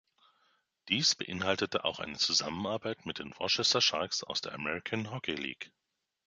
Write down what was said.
Dies beinhaltete auch eine Zusammenarbeit mit den Worcester Sharks aus der American Hockey League.